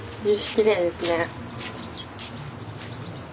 きれいですね。